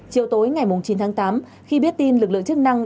chiều tối ngày chín tháng tám khi biết tin lực lượng chức năng